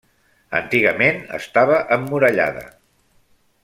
Antigament estava emmurallada.